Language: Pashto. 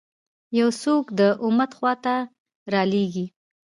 یو څوک د امت خوا ته رالېږي.